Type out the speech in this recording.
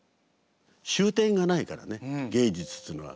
終点がないからね芸術というのは。